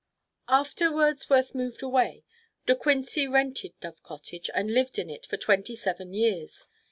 After Wordsworth moved away, De Quincey rented Dove Cottage and lived in it for twenty seven years.